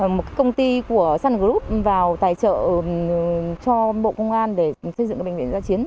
một công ty của sun group vào tài trợ cho bộ công an để xây dựng bệnh viện giã chiến